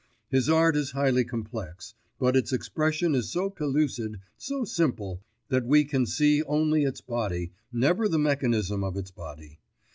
His art is highly complex, but its expression is so pellucid, so simple, that we can see only its body, never the mechanism of its body.